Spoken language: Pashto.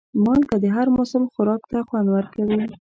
مالګه د هر موسم خوراک ته خوند ورکوي.